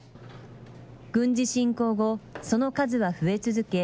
軍事侵攻後、その数は増え続け